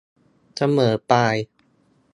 เสมอปลาย